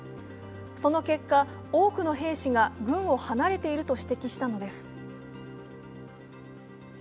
その結果、多くの兵士が軍を離れていると指摘したのです。